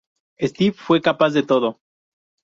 Steve fue capaz de todo.